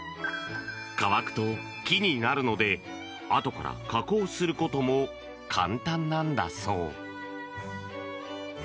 乾くと木になるのであとから加工することも簡単なんだそう。